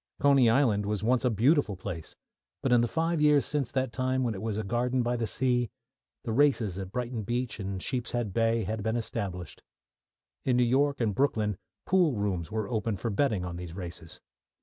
Coney Island was once a beautiful place, but in the five years since that time, when it was a garden by the sea, the races at Brighton Beach and Sheepshead Bay had been established. In New York and Brooklyn pool rooms were open for betting on these races.